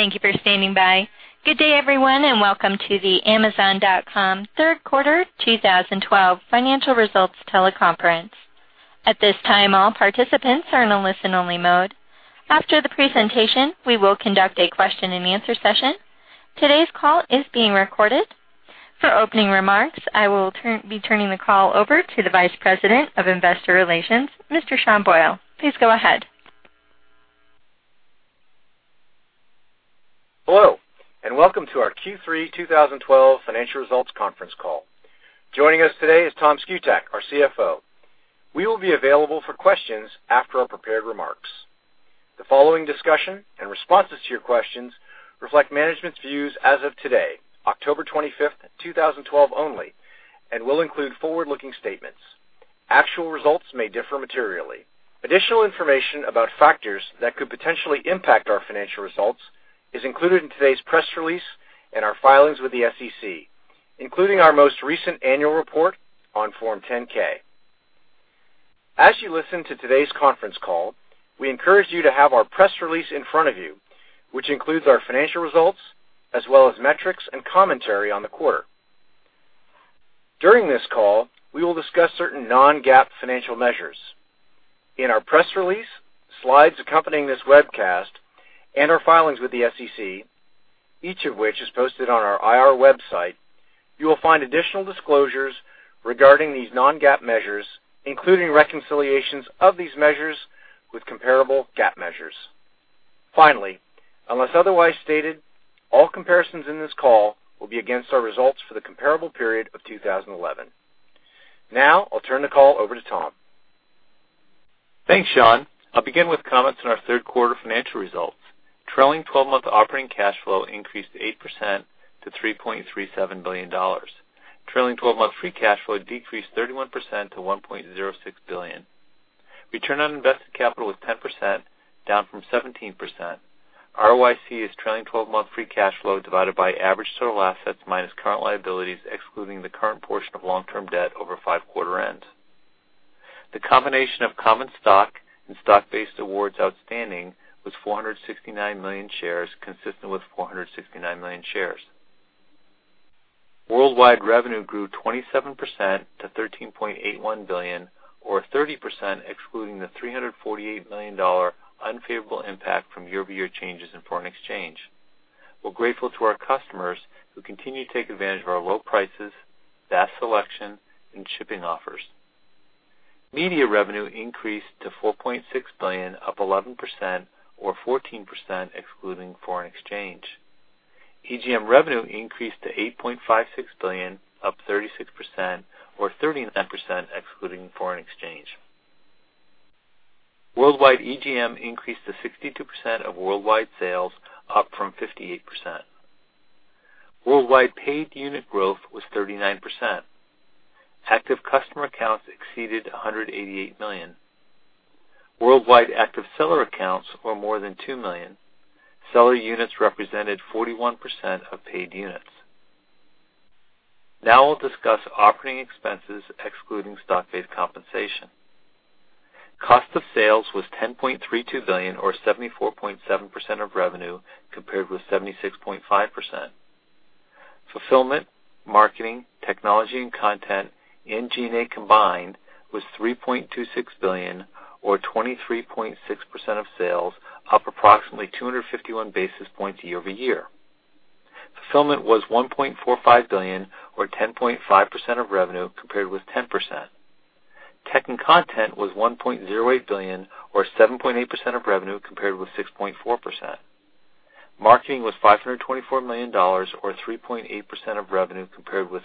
Okay. Thank you for standing by. Good day, everyone, and welcome to the Amazon.com Third Quarter 2012 Financial Results teleconference. At this time, all participants are in a listen-only mode. After the presentation, we will conduct a question-and-answer session. Today's call is being recorded. For opening remarks, I will be turning the call over to the Vice President of Investor Relations, Mr. Sean Boyle. Please go ahead. Hello. Welcome to our Q3 2012 financial results conference call. Joining us today is Tom Szkutak, our CFO. We will be available for questions after our prepared remarks. The following discussion and responses to your questions reflect management's views as of today, October 25th, 2012 only, and will include forward-looking statements. Actual results may differ materially. Additional information about factors that could potentially impact our financial results is included in today's press release and our filings with the SEC, including our most recent annual report on Form 10-K. As you listen to today's conference call, we encourage you to have our press release in front of you, which includes our financial results as well as metrics and commentary on the quarter. During this call, we will discuss certain non-GAAP financial measures. In our press release, slides accompanying this webcast, and our filings with the SEC, each of which is posted on our IR website, you will find additional disclosures regarding these non-GAAP measures, including reconciliations of these measures with comparable GAAP measures. Finally, unless otherwise stated, all comparisons in this call will be against our results for the comparable period of 2011. Now, I'll turn the call over to Tom. Thanks, Sean. I'll begin with comments on our third quarter financial results. Trailing 12-month operating cash flow increased 8% to $3.37 billion. Trailing 12-month free cash flow decreased 31% to $1.06 billion. Return on invested capital was 10%, down from 17%. ROIC is trailing 12-month free cash flow divided by average total assets minus current liabilities, excluding the current portion of long-term debt over five quarter ends. The combination of common stock and stock-based awards outstanding was 469 million shares, consistent with 469 million shares. Worldwide revenue grew 27% to $13.81 billion, or 30% excluding the $348 million unfavorable impact from year-over-year changes in foreign exchange. We're grateful to our customers who continue to take advantage of our low prices, vast selection, and shipping offers. Media revenue increased to $4.6 billion, up 11%, or 14% excluding foreign exchange. EGM revenue increased to $8.56 billion, up 36%, or 39% excluding foreign exchange. Worldwide EGM increased to 62% of worldwide sales, up from 58%. Worldwide paid unit growth was 39%. Active customer accounts exceeded 188 million. Worldwide active seller accounts were more than two million. Seller units represented 41% of paid units. I'll discuss operating expenses excluding stock-based compensation. Cost of sales was $10.32 billion, or 74.7% of revenue, compared with 76.5%. Fulfillment, marketing, technology and content, and G&A combined was $3.26 billion, or 23.6% of sales, up approximately 251 basis points year-over-year. Fulfillment was $1.45 billion, or 10.5% of revenue, compared with 10%. Tech and content was $1.08 billion, or 7.8% of revenue, compared with 6.4%. Marketing was $524 million, or 3.8% of revenue, compared with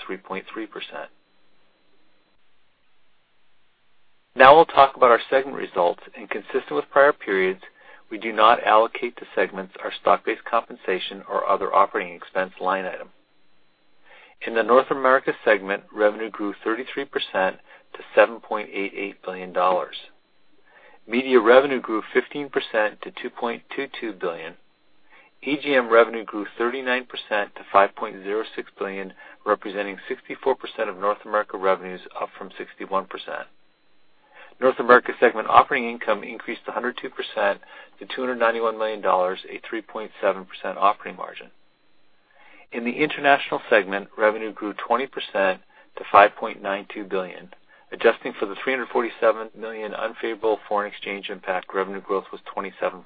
3.3%. I'll talk about our segment results, consistent with prior periods, we do not allocate to segments our stock-based compensation or other operating expense line item. In the North America segment, revenue grew 33% to $7.88 billion. Media revenue grew 15% to $2.22 billion. EGM revenue grew 39% to $5.06 billion, representing 64% of North America revenues, up from 61%. North America segment operating income increased 102% to $291 million, a 3.7% operating margin. In the International segment, revenue grew 20% to $5.92 billion. Adjusting for the $347 million unfavorable foreign exchange impact, revenue growth was 27%.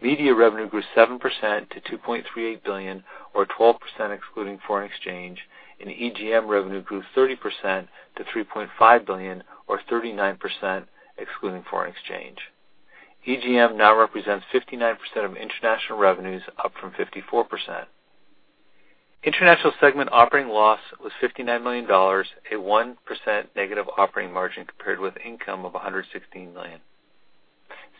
Media revenue grew 7% to $2.38 billion, or 12% excluding foreign exchange, EGM revenue grew 30% to $3.5 billion, or 39% excluding foreign exchange. EGM now represents 59% of international revenues, up from 54%. International segment operating loss was $59 million, a 1% negative operating margin compared with income of $116 million.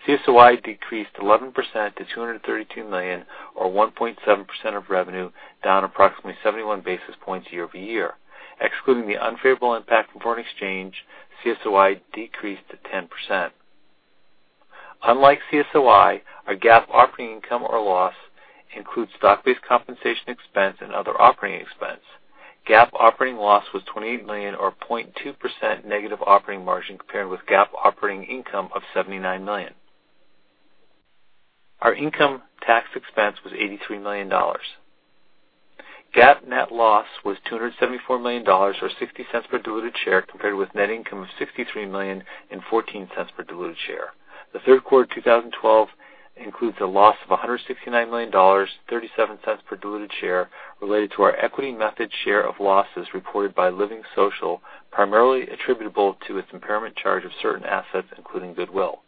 CSOI decreased 11% to $232 million, or 1.7% of revenue, down approximately 71 basis points year-over-year. Excluding the unfavorable impact from foreign exchange, CSOI decreased to 10%. Unlike CSOI, our GAAP operating income or loss includes stock-based compensation expense and other operating expense. GAAP operating loss was $28 million, or 0.2% negative operating margin, compared with GAAP operating income of $79 million. Our income tax expense was $83 million. GAAP net loss was $274 million, or $0.60 per diluted share, compared with net income of $63 million and $0.14 per diluted share. The third quarter 2012 includes a loss of $169 million, $0.37 per diluted share, related to our equity method share of losses reported by LivingSocial, primarily attributable to its impairment charge of certain assets, including goodwill.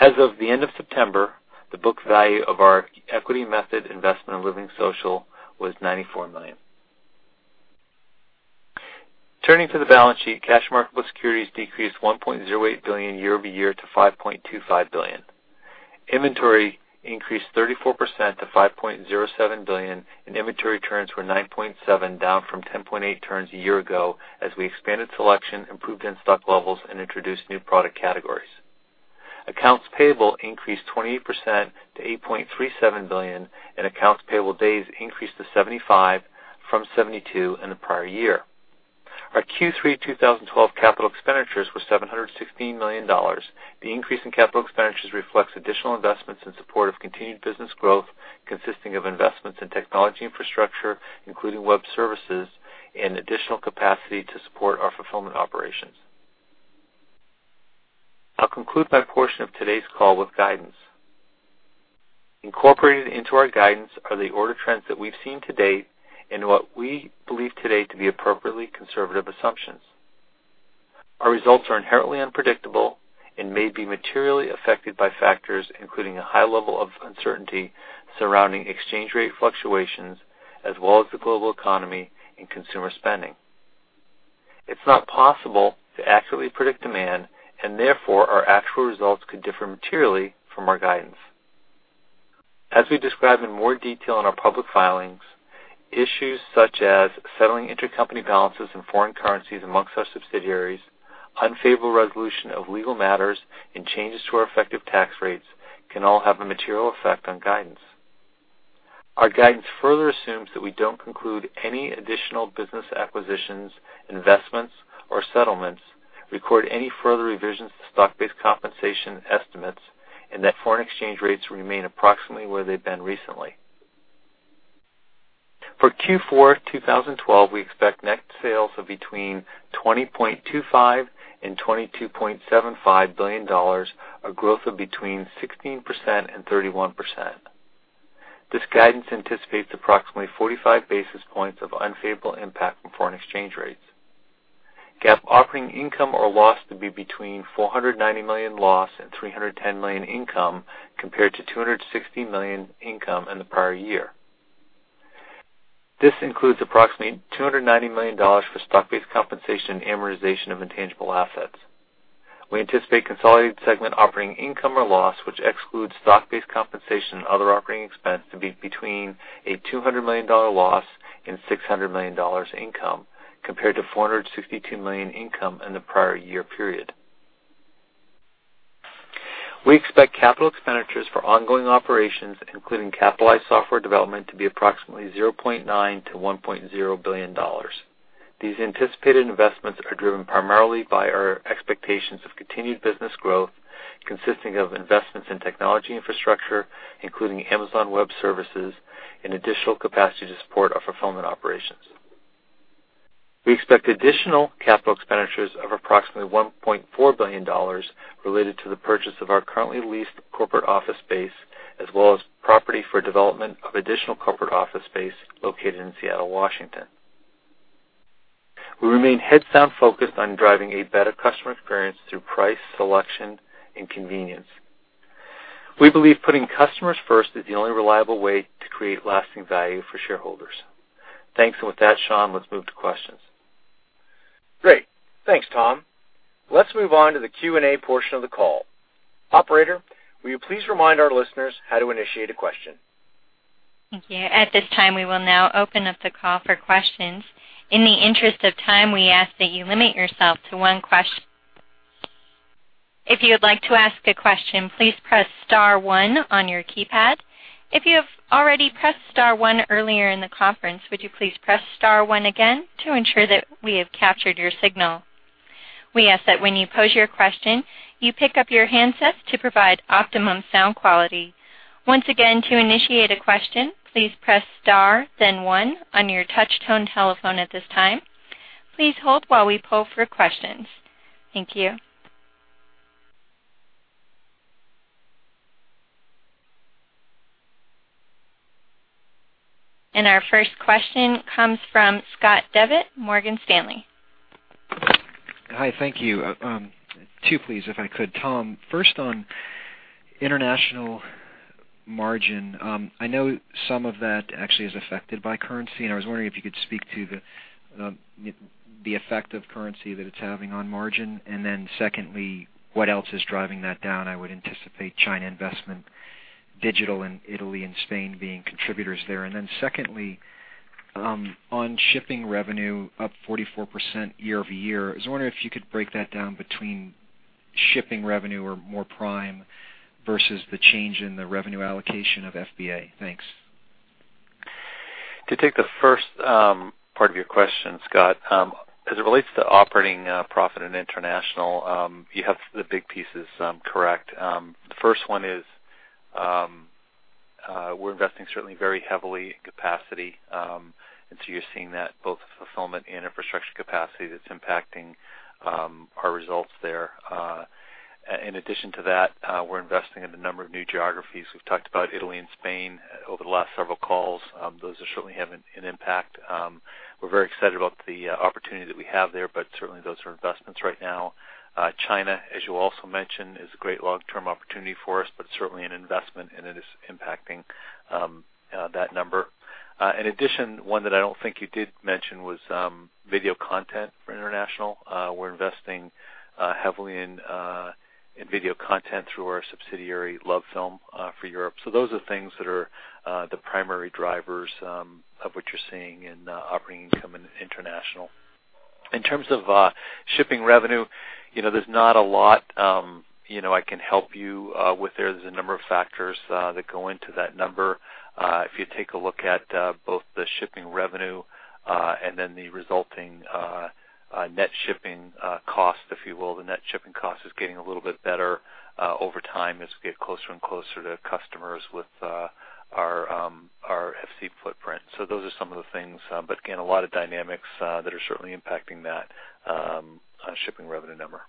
As of the end of September, the book value of our equity method investment in LivingSocial was $94 million. Turning to the balance sheet, cash and marketable securities decreased $1.08 billion year-over-year to $5.25 billion. Inventory increased 34% to $5.07 billion, inventory turns were 9.7, down from 10.8 turns a year ago, as we expanded selection, improved in-stock levels, and introduced new product categories. Accounts payable increased 20% to $8.37 billion, accounts payable days increased to 75 from 72 in the prior year. Our Q3 2012 capital expenditures were $716 million. The increase in capital expenditures reflects additional investments in support of continued business growth, consisting of investments in technology infrastructure, including web services, additional capacity to support our fulfillment operations. I'll conclude my portion of today's call with guidance. Incorporated into our guidance are the order trends that we've seen to date and what we believe today to be appropriately conservative assumptions. Our results are inherently unpredictable and may be materially affected by factors including a high level of uncertainty surrounding exchange rate fluctuations, as well as the global economy and consumer spending. It's not possible to accurately predict demand. Therefore, our actual results could differ materially from our guidance. As we describe in more detail in our public filings, issues such as settling intercompany balances in foreign currencies amongst our subsidiaries, unfavorable resolution of legal matters, and changes to our effective tax rates can all have a material effect on guidance. Our guidance further assumes that we don't conclude any additional business acquisitions, investments, or settlements, record any further revisions to stock-based compensation estimates, and that foreign exchange rates remain approximately where they've been recently. For Q4 2012, we expect net sales of between $20.25 and $22.75 billion, a growth of between 16% and 31%. This guidance anticipates approximately 45 basis points of unfavorable impact from foreign exchange rates. GAAP operating income or loss to be between $490 million loss and $310 million income, compared to $260 million income in the prior year. This includes approximately $290 million for stock-based compensation and amortization of intangible assets. We anticipate consolidated segment operating income or loss, which excludes stock-based compensation and other operating expense, to be between a $200 million loss and $600 million income, compared to $462 million income in the prior year period. We expect capital expenditures for ongoing operations, including capitalized software development, to be approximately $0.9 billion-$1.0 billion. These anticipated investments are driven primarily by our expectations of continued business growth, consisting of investments in technology infrastructure, including Amazon Web Services, and additional capacity to support our fulfillment operations. We expect additional capital expenditures of approximately $1.4 billion related to the purchase of our currently leased corporate office space, as well as property for development of additional corporate office space located in Seattle, Washington. We remain heads-down focused on driving a better customer experience through price, selection, and convenience. We believe putting customers first is the only reliable way to create lasting value for shareholders. Thanks. With that, Sean, let's move to questions. Great. Thanks, Tom. Let's move on to the Q&A portion of the call. Operator, will you please remind our listeners how to initiate a question? Thank you. At this time, we will now open up the call for questions. In the interest of time, we ask that you limit yourself to one question. If you would like to ask a question, please press *1 on your keypad. If you have already pressed *1 earlier in the conference, would you please press *1 again to ensure that we have captured your signal. We ask that when you pose your question, you pick up your handset to provide optimum sound quality. Once again, to initiate a question, please press star, then one on your touch tone telephone at this time. Please hold while we poll for questions. Thank you. Our first question comes from Scott Devitt, Morgan Stanley. Hi. Thank you. Two, please, if I could. Tom, first on international margin. I know some of that actually is affected by currency, and I was wondering if you could speak to the effect of currency that it's having on margin. Then secondly, what else is driving that down? I would anticipate China investment, digital, and Italy and Spain being contributors there. Then secondly, on shipping revenue up 44% year-over-year, I was wondering if you could break that down between shipping revenue or more Prime versus the change in the revenue allocation of FBA. Thanks. To take the first part of your question, Scott, as it relates to operating profit in international, you have the big pieces correct. The first one is we're investing certainly very heavily in capacity, and so you're seeing that both fulfillment and infrastructure capacity that's impacting our results there. In addition to that, we're investing in a number of new geographies. We've talked about Italy and Spain over the last several calls. Those certainly have an impact. We're very excited about the opportunity that we have there, but certainly those are investments right now. China, as you also mentioned, is a great long-term opportunity for us, but certainly an investment, and it is impacting that number. In addition, one that I don't think you did mention was video content for international. We're investing heavily in video content through our subsidiary, LoveFilm, for Europe. Those are things that are the primary drivers of what you're seeing in operating income in international. In terms of shipping revenue, there's not a lot I can help you with there. There's a number of factors that go into that number. If you take a look at both the shipping revenue and then the resulting net shipping cost, if you will, the net shipping cost is getting a little bit better over time as we get closer and closer to customers with our FC footprint. Those are some of the things, but again, a lot of dynamics that are certainly impacting that shipping revenue number.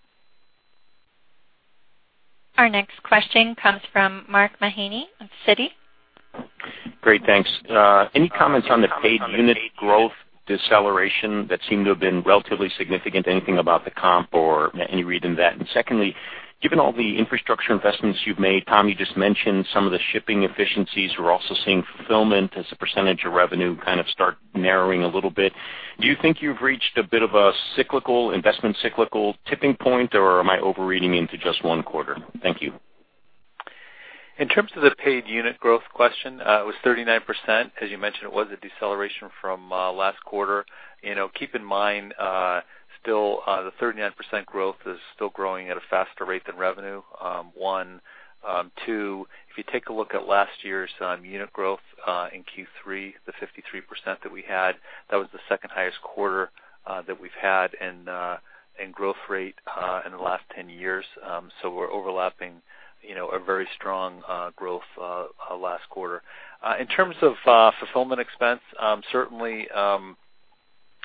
Our next question comes from Mark Mahaney of Citi. Great, thanks. Any comments on the paid unit growth deceleration that seem to have been relatively significant? Anything about the comp or any read on that? Secondly, given all the infrastructure investments you've made, Tom, you just mentioned some of the shipping efficiencies. We're also seeing fulfillment as a percentage of revenue kind of start narrowing a little bit. Do you think you've reached a bit of a cyclical investment, cyclical tipping point, or am I overreading into just one quarter? Thank you. In terms of the paid unit growth question, it was 39%. As you mentioned, it was a deceleration from last quarter. Keep in mind, the 39% growth is still growing at a faster rate than revenue, one. Two, if you take a look at last year's unit growth in Q3, the 53% that we had, that was the second highest quarter that we've had in growth rate in the last 10 years. We're overlapping a very strong growth last quarter. In terms of fulfillment expense, certainly,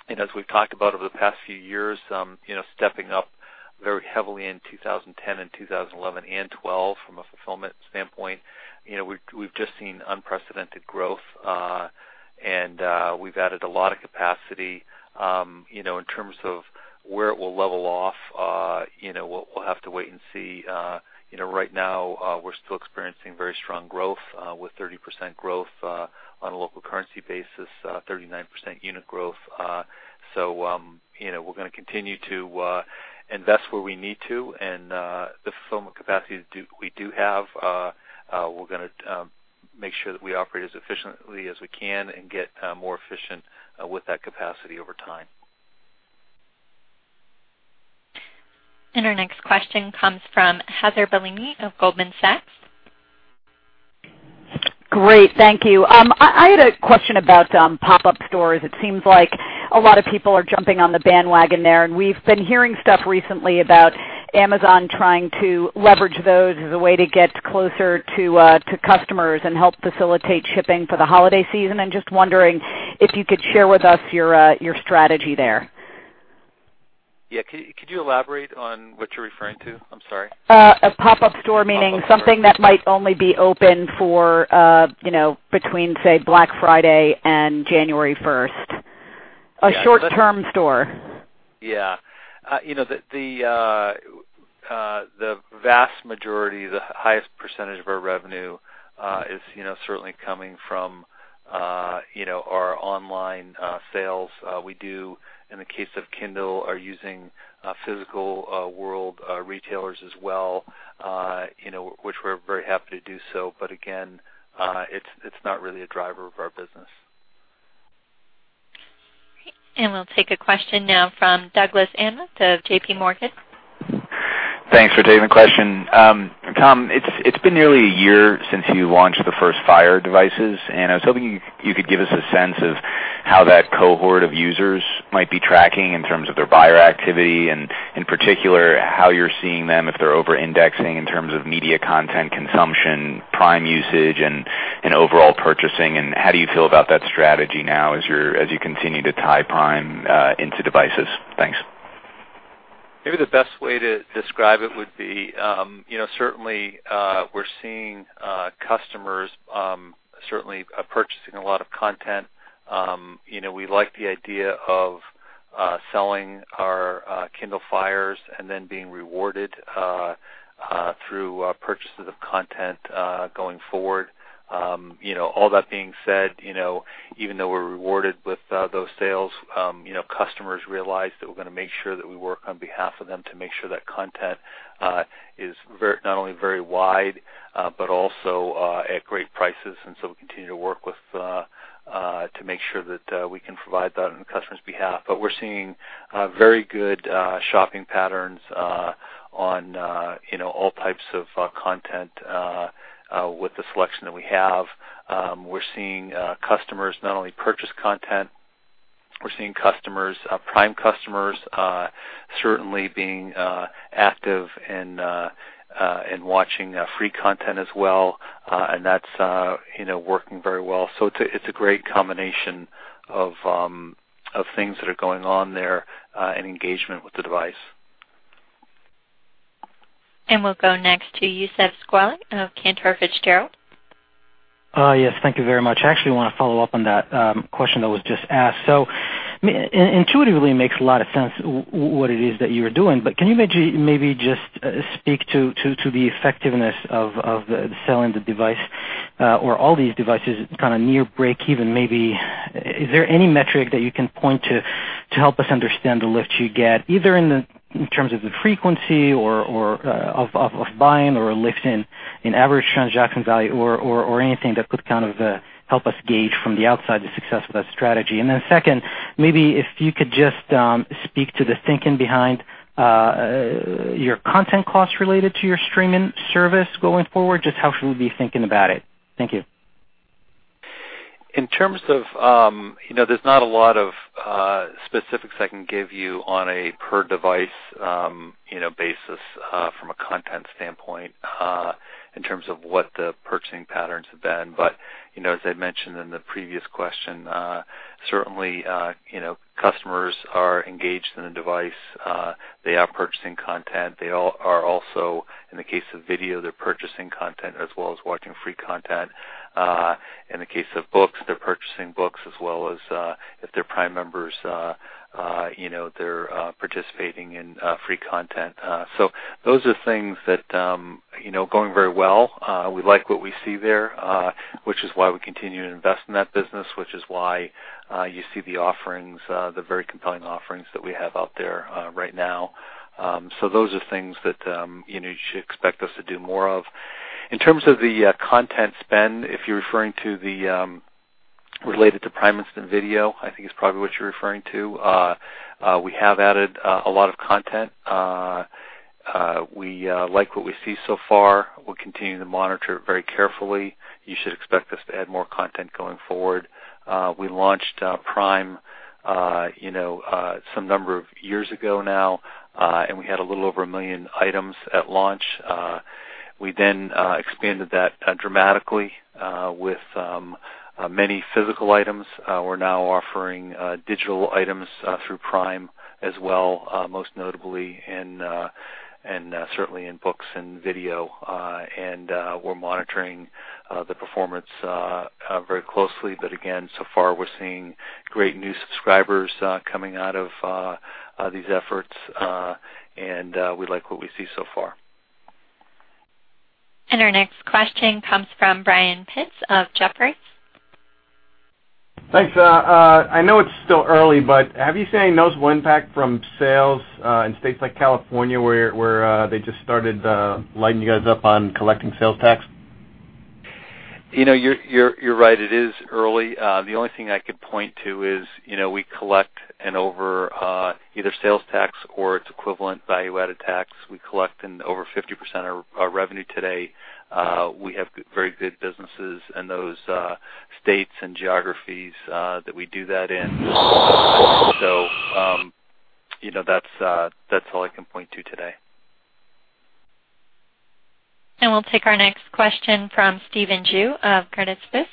and as we've talked about over the past few years, stepping up very heavily in 2010 and 2011 and 2012 from a fulfillment standpoint. We've just seen unprecedented growth, and we've added a lot of capacity. In terms of where it will level off, we'll have to wait and see. Right now, we're still experiencing very strong growth with 30% growth on a local currency basis, 39% unit growth. We're going to continue to invest where we need to and the fulfillment capacity we do have, we're going to make sure that we operate as efficiently as we can and get more efficient with that capacity over time. Our next question comes from Heather Bellini of Goldman Sachs. Great. Thank you. I had a question about pop-up stores. It seems like a lot of people are jumping on the bandwagon there, and we've been hearing stuff recently about Amazon trying to leverage those as a way to get closer to customers and help facilitate shipping for the holiday season. I'm just wondering if you could share with us your strategy there. Yeah. Could you elaborate on what you're referring to? I'm sorry. A pop-up store, meaning something that might only be open between, say, Black Friday and January 1st. A short-term store. Yeah. The vast majority, the highest percentage of our revenue is certainly coming from our online sales. We do, in the case of Kindle, are using physical world retailers as well, which we're very happy to do so. Again, it's not really a driver of our business. Great. We'll take a question now from Doug Anmuth of J.P. Morgan. Thanks for taking the question. Tom, it's been nearly a year since you launched the first Fire devices, I was hoping you could give us a sense of how that cohort of users might be tracking in terms of their buyer activity, in particular, how you're seeing them, if they're over-indexing in terms of media content consumption, Prime usage, overall purchasing, how do you feel about that strategy now as you continue to tie Prime into devices? Thanks. Maybe the best way to describe it would be, certainly we're seeing customers certainly purchasing a lot of content. We like the idea of selling our Kindle Fire and then being rewarded through purchases of content going forward. All that being said, even though we're rewarded with those sales, customers realize that we're going to make sure that we work on behalf of them to make sure that content is not only very wide, but also at great prices. We'll continue to work to make sure that we can provide that on the customer's behalf. We're seeing very good shopping patterns on all types of content with the selection that we have. We're seeing customers not only purchase content, we're seeing Prime customers certainly being active and watching free content as well. That's working very well. It's a great combination of things that are going on there, and engagement with the device. We'll go next to Youssef Squali of Cantor Fitzgerald. Yes, thank you very much. I actually want to follow up on that question that was just asked. Intuitively, it makes a lot of sense what it is that you are doing, but can you maybe just speak to the effectiveness of the selling the device, or all these devices kind of near breakeven maybe? Is there any metric that you can point to help us understand the lift you get, either in terms of the frequency of buying or a lift in average transaction value or anything that could kind of help us gauge from the outside the success of that strategy? Second, maybe if you could just speak to the thinking behind your content costs related to your streaming service going forward, just how should we be thinking about it? Thank you. There's not a lot of specifics I can give you on a per-device basis from a content standpoint in terms of what the purchasing patterns have been. As I mentioned in the previous question, certainly customers are engaged in the device. They are purchasing content. They are also, in the case of video, they're purchasing content as well as watching free content. In the case of books, they're purchasing books as well as if they're Prime members, they're participating in free content. Those are things that are going very well. We like what we see there, which is why we continue to invest in that business, which is why you see the very compelling offerings that we have out there right now. Those are things that you should expect us to do more of. In terms of the content spend, if you're referring to related to Prime Instant Video, I think is probably what you're referring to, we have added a lot of content. We like what we see so far. We're continuing to monitor it very carefully. You should expect us to add more content going forward. We launched Prime some number of years ago now, we had a little over a million items at launch. We then expanded that dramatically with many physical items. We're now offering digital items through Prime as well, most notably and certainly in books and video. We're monitoring the performance very closely. Again, so far, we're seeing great new subscribers coming out of these efforts, we like what we see so far. Our next question comes from Brian Pitz of Jefferies. Thanks. I know it's still early, have you seen noticeable impact from sales in states like California, where they just started lighting you guys up on collecting sales tax? You're right. It is early. The only thing I could point to is we collect either sales tax or its equivalent value-added tax. We collect in over 50% of our revenue today. We have very good businesses in those states and geographies that we do that in. That's all I can point to today. We'll take our next question from Stephen Ju of Credit Suisse.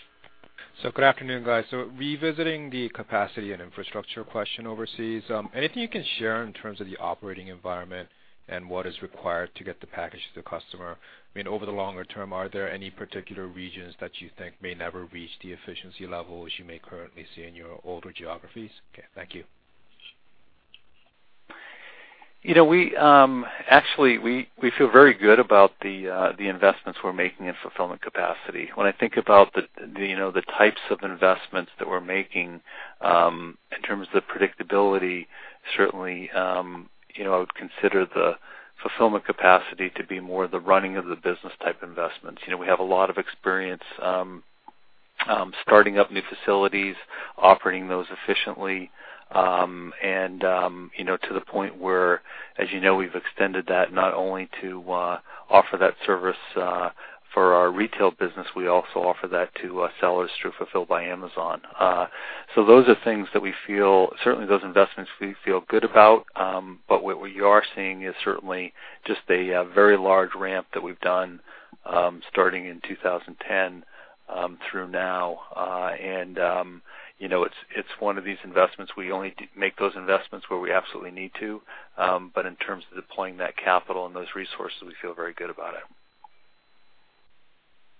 Good afternoon, guys. Revisiting the capacity and infrastructure question overseas, anything you can share in terms of the operating environment and what is required to get the package to the customer? Over the longer term, are there any particular regions that you think may never reach the efficiency levels you may currently see in your older geographies? Okay, thank you. Actually, we feel very good about the investments we're making in fulfillment capacity. When I think about the types of investments that we're making in terms of the predictability, certainly, I would consider the fulfillment capacity to be more the running of the business type investments. We have a lot of experience starting up new facilities, operating those efficiently, and to the point where, as you know, we've extended that not only to offer that service for our retail business, we also offer that to sellers through Fulfilled by Amazon. Certainly those investments we feel good about. What you are seeing is certainly just a very large ramp that we've done starting in 2010 through now. It's one of these investments, we only make those investments where we absolutely need to. In terms of deploying that capital and those resources, we feel very good about it.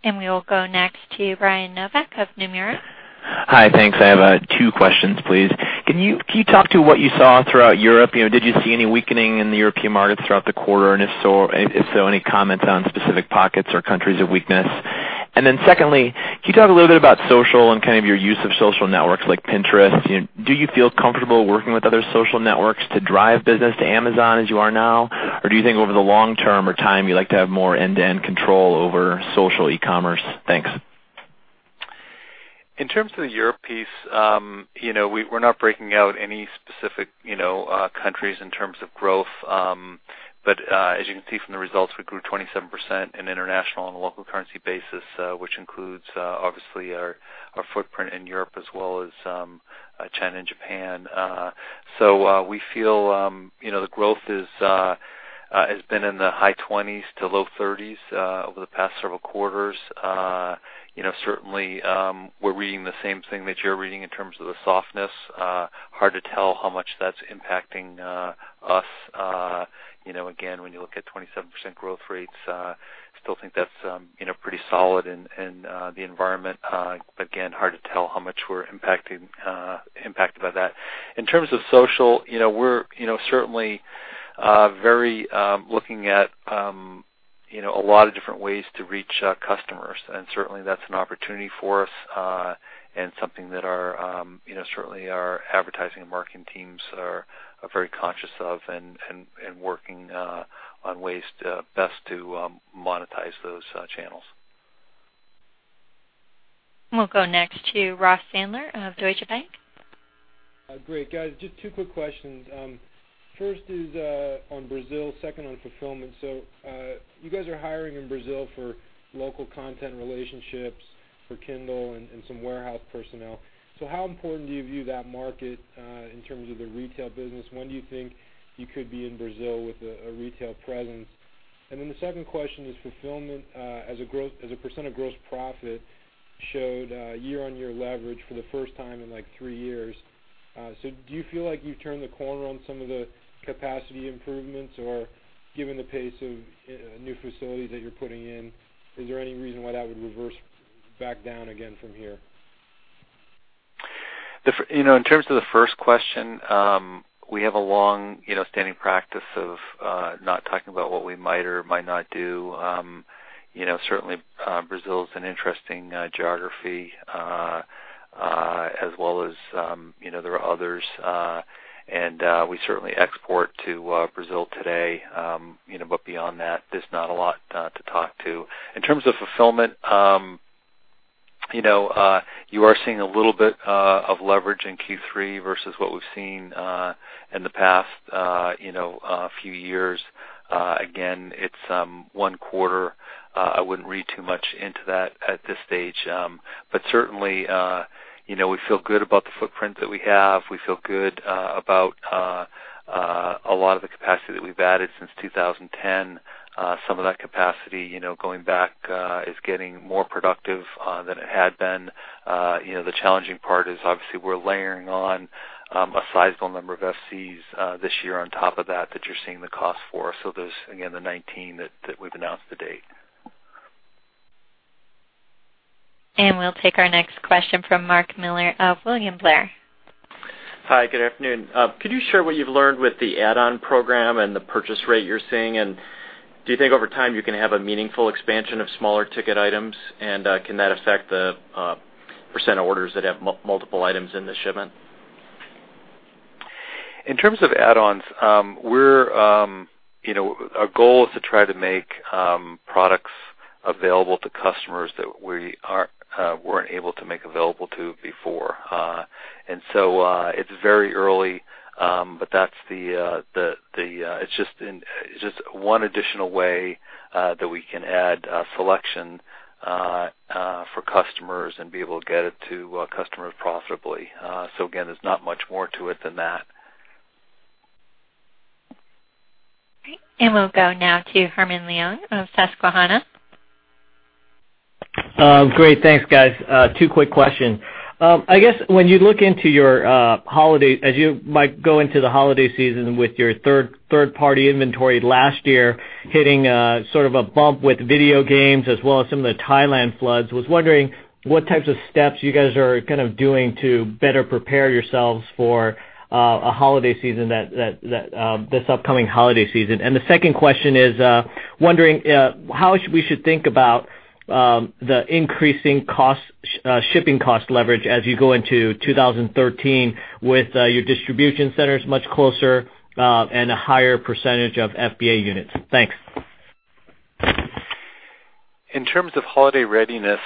We will go next to Brian Nowak of Nomura. Hi, thanks. I have two questions, please. Can you talk to what you saw throughout Europe? Did you see any weakening in the European markets throughout the quarter? If so, any comments on specific pockets or countries of weakness? Secondly, can you talk a little bit about social and kind of your use of social networks like Pinterest? Do you feel comfortable working with other social networks to drive business to Amazon as you are now? Or do you think over the long term or time, you'd like to have more end-to-end control over social e-commerce? Thanks. In terms of the Europe piece, we're not breaking out any specific countries in terms of growth. As you can see from the results, we grew 27% in international on a local currency basis, which includes, obviously, our footprint in Europe as well as China and Japan. We feel the growth has been in the high 20s to low 30s over the past several quarters. Certainly, we're reading the same thing that you're reading in terms of the softness. Hard to tell how much that's impacting us. Again, when you look at 27% growth rates, I still think that's pretty solid in the environment. Again, hard to tell how much we're impacted by that. In terms of social, we're certainly very looking at a lot of different ways to reach customers, and certainly that's an opportunity for us, and something that certainly our advertising and marketing teams are very conscious of and working on ways to best to monetize those channels. We'll go next to Ross Sandler of Deutsche Bank. Great. Guys, just two quick questions. First is on Brazil, second on fulfillment. You guys are hiring in Brazil for local content relationships for Kindle and some warehouse personnel. How important do you view that market in terms of the retail business? When do you think you could be in Brazil with a retail presence? The second question is fulfillment as a percent of gross profit showed year-on-year leverage for the first time in three years. Do you feel like you've turned the corner on some of the capacity improvements? Or given the pace of new facilities that you're putting in, is there any reason why that would reverse back down again from here? In terms of the first question, we have a long-standing practice of not talking about what we might or might not do. Certainly Brazil is an interesting geography, as well as there are others. We certainly export to Brazil today. Beyond that, there's not a lot to talk to. In terms of fulfillment, you are seeing a little bit of leverage in Q3 versus what we've seen in the past few years. Again, it's one quarter. I wouldn't read too much into that at this stage. Certainly we feel good about the footprint that we have. We feel good about a lot of the capacity that we've added since 2010. Some of that capacity going back is getting more productive than it had been. The challenging part is obviously we're layering on a sizable number of FCs this year on top of that you're seeing the cost for. There's, again, the 19 that we've announced to date. We'll take our next question from Mark Miller of William Blair. Hi, good afternoon. Could you share what you've learned with the add-on program and the purchase rate you're seeing? Do you think over time you can have a meaningful expansion of smaller ticket items? Can that affect the % of orders that have multiple items in the shipment? In terms of add-ons, our goal is to try to make products available to customers that we weren't able to make available to before. It's very early, but it's just one additional way that we can add selection for customers and be able to get it to customers profitably. Again, there's not much more to it than that. Great. We'll go now to Herman Leung of Susquehanna. Great. Thanks, guys. Two quick questions. I guess when you look into your holiday, as you might go into the holiday season with your third-party inventory last year hitting sort of a bump with video games as well as some of the Thailand floods, was wondering what types of steps you guys are kind of doing to better prepare yourselves for this upcoming holiday season. The second question is, wondering how we should think about the increasing shipping cost leverage as you go into 2013 with your distribution centers much closer and a higher percentage of FBA units. Thanks. In terms of holiday readiness,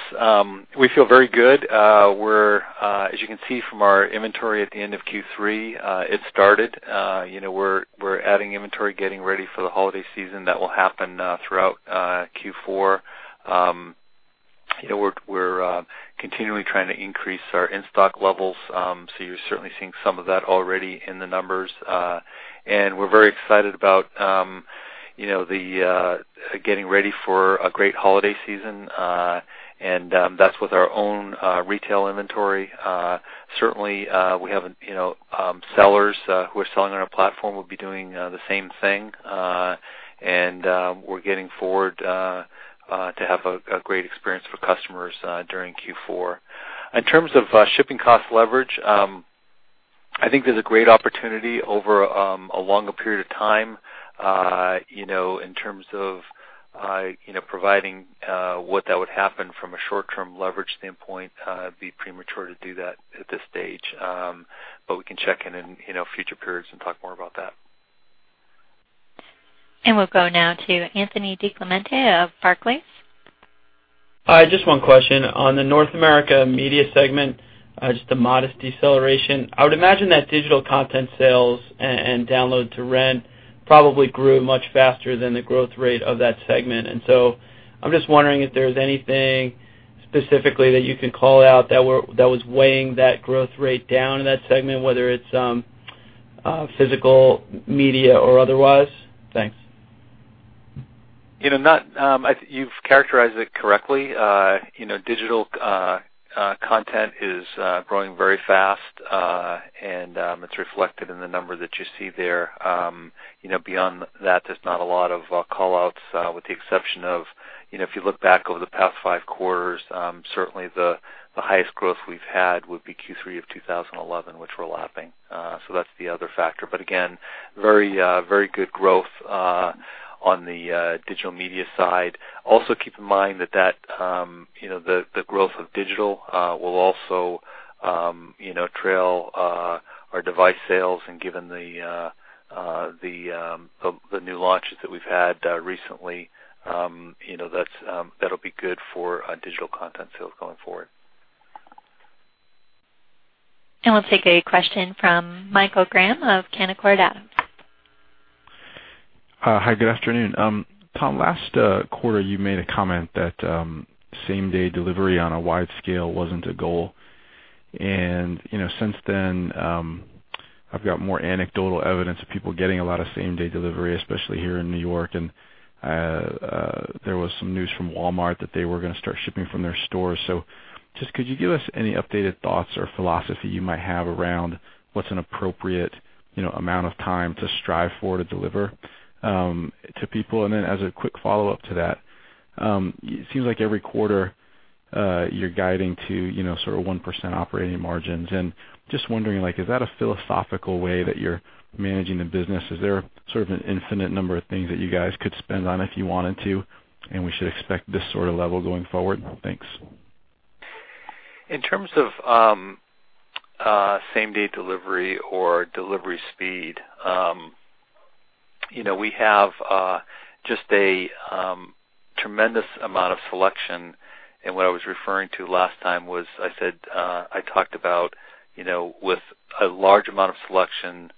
we feel very good. As you can see from our inventory at the end of Q3, it started. We're adding inventory, getting ready for the holiday season that will happen throughout Q4. We're continually trying to increase our in-stock levels. You're certainly seeing some of that already in the numbers. We're very excited about getting ready for a great holiday season, and that's with our own retail inventory. Certainly sellers who are selling on our platform will be doing the same thing. We're getting forward to have a great experience for customers during Q4. In terms of shipping cost leverage I think there's a great opportunity over a longer period of time. In terms of providing what that would happen from a short-term leverage standpoint, it'd be premature to do that at this stage. We can check in future periods and talk more about that. We'll go now to Anthony DiClemente of Barclays. Hi, just one question. On the North America media segment, just a modest deceleration. I would imagine that digital content sales and download-to-rent probably grew much faster than the growth rate of that segment. I'm just wondering if there's anything specifically that you can call out that was weighing that growth rate down in that segment, whether it's physical media or otherwise? Thanks. You've characterized it correctly. Digital content is growing very fast, and it's reflected in the number that you see there. Beyond that, there's not a lot of call-outs, with the exception of, if you look back over the past 5 quarters, certainly the highest growth we've had would be Q3 of 2011, which we're lapping. That's the other factor. Again, very good growth on the digital media side. Also, keep in mind that the growth of digital will also trail our device sales. Given the new launches that we've had recently, that'll be good for digital content sales going forward. We'll take a question from Michael Graham of Canaccord Genuity. Hi, good afternoon. Tom, last quarter, you made a comment that same-day delivery on a wide scale wasn't a goal. Since then, I've got more anecdotal evidence of people getting a lot of same-day delivery, especially here in New York. There was some news from Walmart that they were going to start shipping from their stores. Just could you give us any updated thoughts or philosophy you might have around what's an appropriate amount of time to strive for to deliver to people? As a quick follow-up to that, it seems like every quarter you're guiding to 1% operating margins, and just wondering, is that a philosophical way that you're managing the business? Is there sort of an infinite number of things that you guys could spend on if you wanted to, and we should expect this sort of level going forward? Thanks. In terms of same-day delivery or delivery speed, we have just a tremendous amount of selection. What I was referring to last time was I talked about with a large amount of selection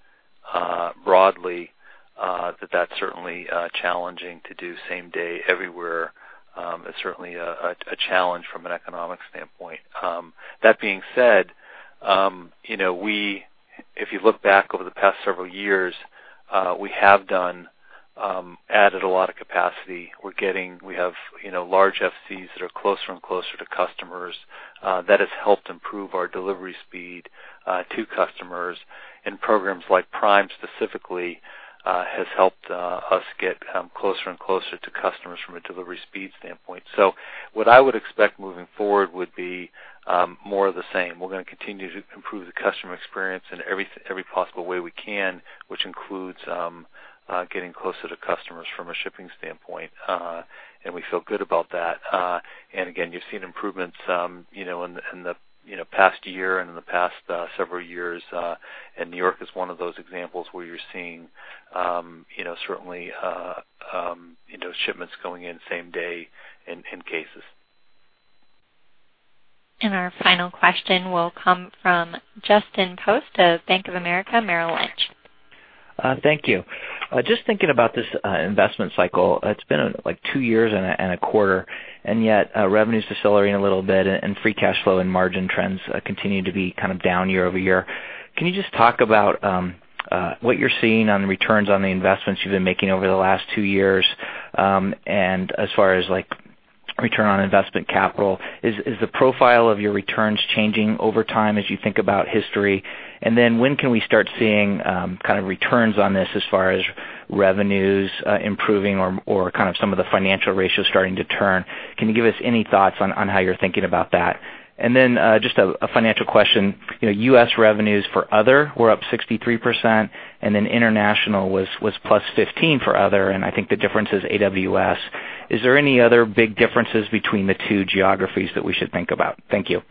broadly, that that's certainly challenging to do same-day everywhere. It's certainly a challenge from an economic standpoint. That being said, if you look back over the past several years, we have added a lot of capacity. We have large FCs that are closer and closer to customers. That has helped improve our delivery speed to customers, and programs like Prime specifically has helped us get closer and closer to customers from a delivery speed standpoint. What I would expect moving forward would be more of the same. We're going to continue to improve the customer experience in every possible way we can, which includes getting closer to customers from a shipping standpoint, we feel good about that. Again, you've seen improvements in the past year and in the past several years, and New York is one of those examples where you're seeing certainly those shipments going in same day in cases. Our final question will come from Justin Post of Bank of America Merrill Lynch. Thank you. Just thinking about this investment cycle, it's been two years and a quarter, yet revenue's decelerating a little bit, free cash flow and margin trends continue to be down year-over-year. Can you just talk about what you're seeing on the returns on the investments you've been making over the last two years, and as far as return on investment capital? Is the profile of your returns changing over time as you think about history? When can we start seeing returns on this as far as revenues improving or some of the financial ratios starting to turn? Can you give us any thoughts on how you're thinking about that? Just a financial question. U.S. revenues for other were up 63%, international was +15% for other, I think the difference is AWS. Is there any other big differences between the two geographies that we should think about? Thank you.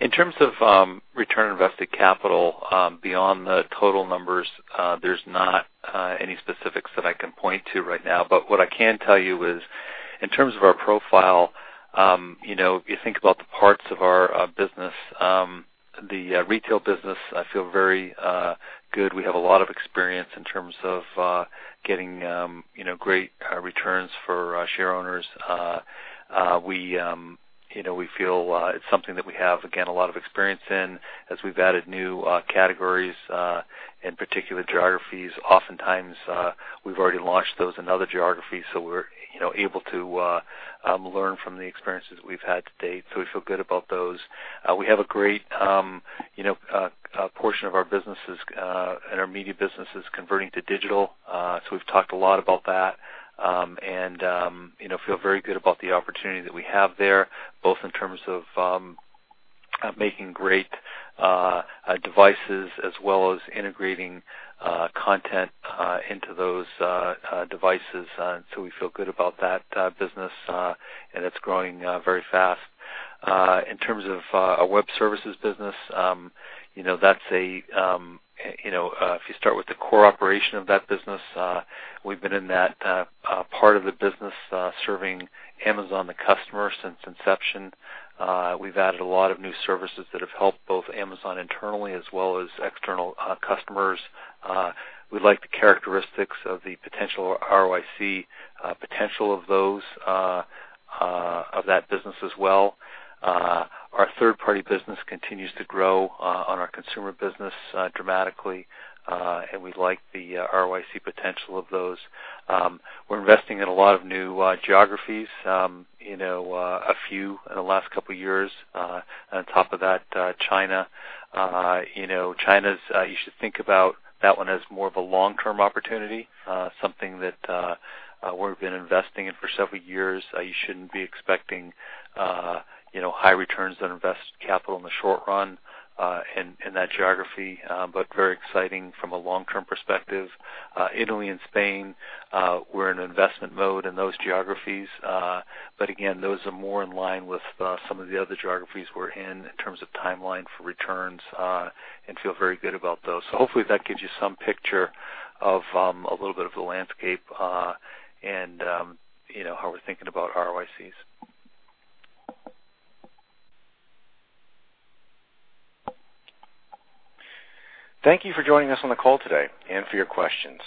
In terms of return on invested capital, beyond the total numbers, there's not any specifics that I can point to right now. What I can tell you is in terms of our profile, if you think about the parts of our business, the retail business, I feel very good. We have a lot of experience in terms of getting great returns for share owners. We feel it's something that we have, again, a lot of experience in as we've added new categories in particular geographies. Oftentimes, we've already launched those in other geographies, so we're able to learn from the experiences we've had to date. We feel good about those. We have a great A portion of our businesses and our media business is converting to digital. We've talked a lot about that, and feel very good about the opportunity that we have there, both in terms of making great devices as well as integrating content into those devices. We feel good about that business, and it's growing very fast. In terms of our web services business, if you start with the core operation of that business, we've been in that part of the business serving Amazon the customer since inception. We've added a lot of new services that have helped both Amazon internally as well as external customers. We like the characteristics of the potential ROIC potential of that business as well. Our third-party business continues to grow on our consumer business dramatically, and we like the ROIC potential of those. We're investing in a lot of new geographies. A few in the last couple of years. On top of that China. China, you should think about that one as more of a long-term opportunity, something that we've been investing in for several years. You shouldn't be expecting high returns on invested capital in the short run in that geography, but very exciting from a long-term perspective. Italy and Spain, we're in investment mode in those geographies. Again, those are more in line with some of the other geographies we're in terms of timeline for returns, and feel very good about those. Hopefully that gives you some picture of a little bit of the landscape, and how we're thinking about ROICs. Thank you for joining us on the call today and for your questions.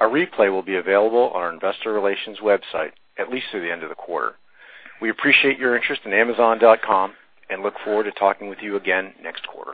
A replay will be available on our investor relations website, at least through the end of the quarter. We appreciate your interest in Amazon.com, and look forward to talking with you again next quarter.